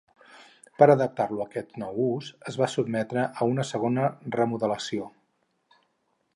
Per adaptar-lo a aquest nou ús, es va sotmetre a una segona remodelació.